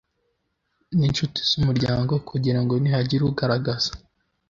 n’inshuti z’umuryango kugira ngo nihagira ugaragaza